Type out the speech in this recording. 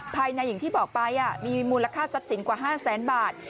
ภายในอย่างที่บอกไปอ่ะมีมูลค่าทรัพย์สินกว่าห้าแสนบาท